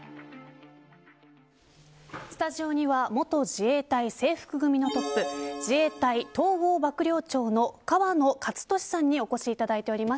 スタジオには元自衛隊制服組のトップ自衛隊統合幕僚長の河野克俊さんにお越しいただいております。